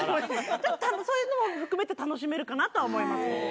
そういうのも含めて楽しめるかなとは思います。